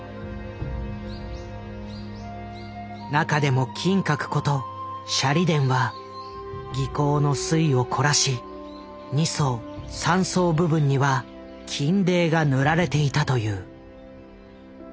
中でも「金閣」こと舎利殿は技巧の粋を凝らし２層３層部分には金泥が塗られていたという。